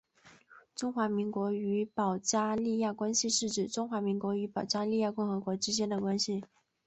中华民国与保加利亚关系是指中华民国与保加利亚共和国之间的关系。